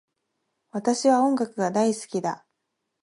私は音楽が大好きだ